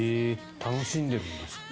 楽しんでるんですって。